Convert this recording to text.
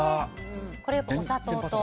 これ、お砂糖と？